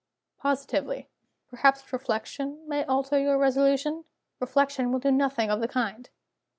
"Positively." "Perhaps reflection may alter your resolution?" "Reflection will do nothing of the kind."